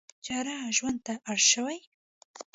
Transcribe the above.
چړه ژوند ته اړ شوي.